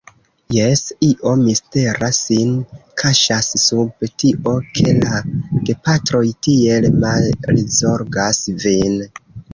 Jes; io mistera sin kaŝas sub tio, ke la gepatroj tiel malzorgas vin.